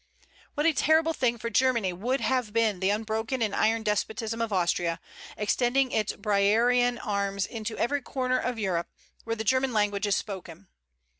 What a terrible thing for Germany would have been the unbroken and iron despotism of Austria, extending its Briarean arms into every corner of Europe where the German language is spoken!